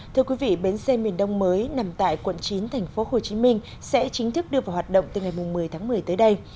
thưa quý vị bến xe miền đông mới nằm tại quận chín thành phố hồ chí minh sẽ chính thức đưa vào hoạt động từ ngày một mươi tháng một mươi tới đây